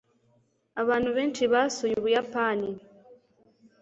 abantu benshi basuye ubuyapani